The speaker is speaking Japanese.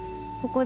ここ！